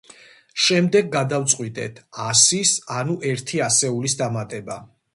შემდეგ გადავწყვიტეთ ასის, ანუ ერთი ასეულის დამატება.